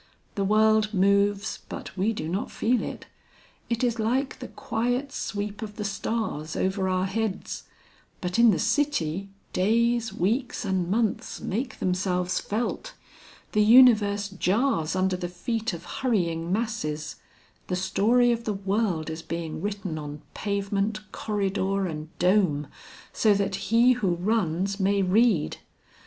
The world moves, but we do not feel it; it is like the quiet sweep of the stars over our heads. But in the city, days, weeks and months make themselves felt. The universe jars under the feet of hurrying masses. The story of the world is being written on pavement, corridor, and dome, so that he who runs may read.